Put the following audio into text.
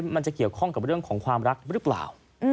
มันจะเกี่ยวข้องกับเรื่องของความรักหรือเปล่า